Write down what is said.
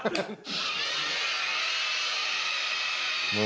何？